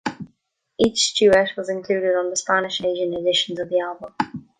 Each duet was included on the Spanish and Asian editions of the album.